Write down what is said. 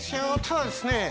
ただですね